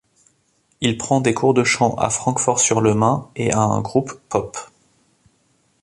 Il prend des cours de chant à Francfort-sur-le-Main et a un groupe pop.